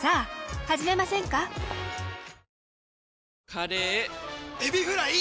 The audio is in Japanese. カレーエビフライ！